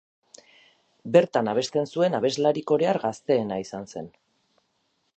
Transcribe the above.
Bertan abesten zuen abeslari korear gazteena izan zen.